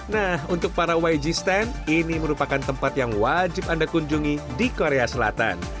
nah untuk para yg stand ini merupakan tempat yang wajib anda kunjungi di korea selatan